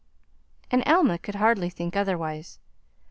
And Alma could hardly think otherwise.